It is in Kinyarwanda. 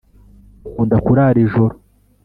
ukunda kurara ijoro .